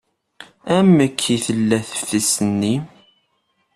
Amek i tella teftist-nni?